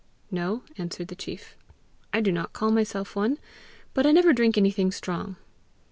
"No," answered the chief; "I do not call myself one; but I never drink anything strong."